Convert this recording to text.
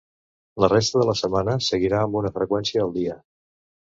La resta de la setmana seguirà amb una freqüència al dia.